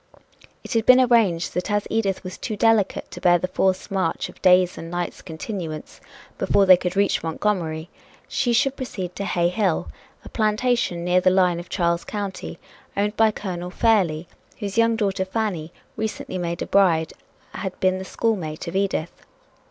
It had been arranged that as Edith was too delicate to bear the forced march of days' and nights' continuance before they could reach Montgomery, she should proceed to Hay Hill, a plantation near the line of Charles County, owned by Colonel Fairlie, whose young daughter Fanny, recently made a bride, had been the schoolmate of Edith.